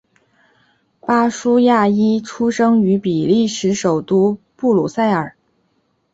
巴舒亚伊出生于比利时首都布鲁塞尔。